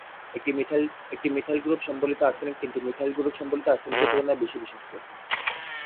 একটি methyl group সম্বলিত arsenic তিনটি মিথাইল গ্রুপ সম্বলিত আর্সেনিকের তুলনায় বেশি বিষাক্ত।